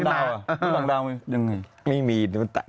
ดำเนินคดีต่อไปนั่นเองครับ